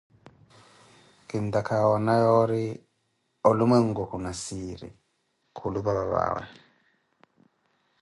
Kintakha woona yoori olumweeku khuna siiri, khulupa papawe!